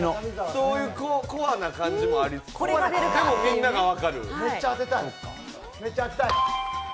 そういうコアな感じもありつつでもみんなが分かる。